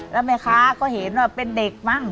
แล้วแม่ค้าก็เห็นว่าเป็นเด็กมั้ง